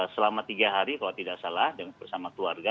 selama tiga hari kalau tidak salah bersama keluarga